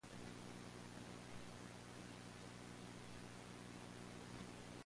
The economy of Murata is largely based on agriculture.